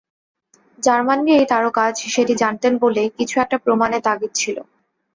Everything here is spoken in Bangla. জার্মানির এই তারকা সেটি জানতেন বলেই কিছু একটা প্রমাণের তাগিদ ছিল।